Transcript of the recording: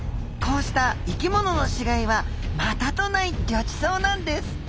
こうした生きものの死骸はまたとないぎょちそうなんです。